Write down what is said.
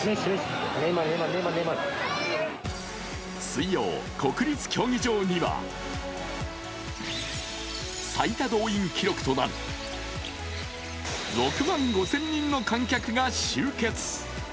水曜、国立競技場には最多動員記録となる６万５０００人の観客が集結。